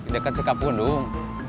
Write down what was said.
deket sekap kundung